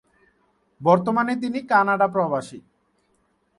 বর্তমানে তিনি কানাডা প্রবাসী।